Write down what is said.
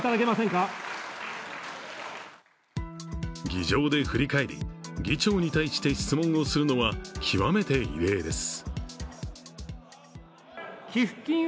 議場で振り返り議長に対して質問をするのは極めて異例です。